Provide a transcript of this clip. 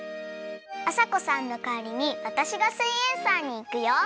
あさこさんのかわりにわたしが「すイエんサー」にいくよ！